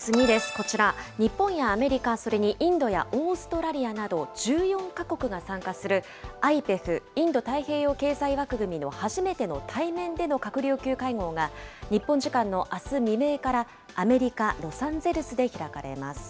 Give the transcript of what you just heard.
こちら、日本やアメリカ、それにインドやオーストラリアなど、１４か国が参加する、ＩＰＥＦ・インド太平洋経済枠組みの初めての対面での閣僚級会合が、日本時間のあす未明から、アメリカ・ロサンゼルスで開かれます。